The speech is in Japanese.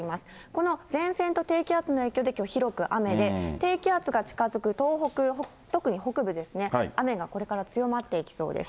この前線と低気圧の影響で、きょう、広く雨で、低気圧が近づく東北、特に北部ですね、雨がこれから強まっていきそうです。